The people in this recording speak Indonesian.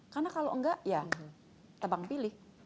karena kalau tidak ya tebang pilih